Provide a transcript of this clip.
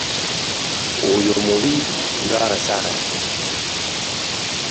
Oyo mubbi nga Nsanja .